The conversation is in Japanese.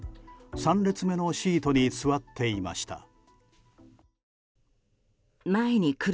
３列目のシートに座っていました。